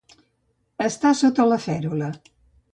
Estar sota la fèrula.